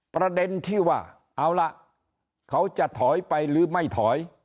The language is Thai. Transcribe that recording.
ประเด็นที่ว่าเอาล่ะเขาจะถอยไปหรือไม่ถอย